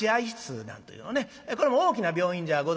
なんというこれも大きな病院じゃございません。